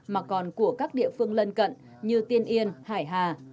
mà còn của các địa phương lân cận như tiên yên hải hà